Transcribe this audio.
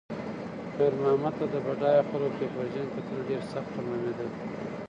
خیر محمد ته د بډایه خلکو کبرجن کتل ډېر سخت تمامېدل.